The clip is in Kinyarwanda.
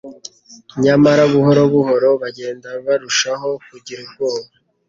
Nyamara buhoro buhoro bagenda barushaho kugira ubwoba.